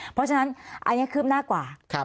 เพราะฉะนั้นอันนี้คืบหน้ากว่า